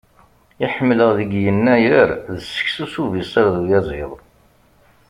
I ḥemmleɣ deg Yennayer, d seksu s ubisaṛ d uyaziḍ.